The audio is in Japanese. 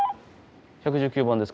１１９番です。